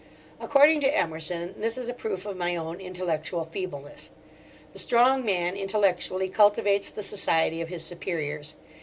According to Emerson, this is a proof of my own intellectual feebleness. The strong man, intellectually, cultivates the society of his superiors.